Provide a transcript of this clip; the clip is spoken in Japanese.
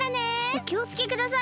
おきをつけください！